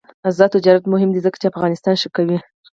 آزاد تجارت مهم دی ځکه چې افغانستان ښه کوي.